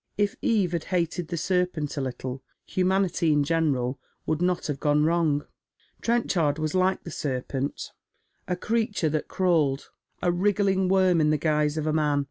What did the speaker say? If Eve had hated the serpent a little, humanity in general would not have gone wrong . Trenchard waa like the serpent, a creature that crawled, it 14 Dead MeiCa Shoes, ■wriggling woiTO m the guise of a man.